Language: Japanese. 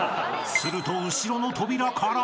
［すると後ろの扉から］